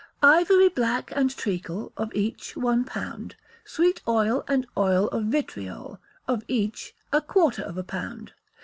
Ivory black and treacle, of each, one pound; sweet oil and oil of vitriol, of each, a quarter of a pound.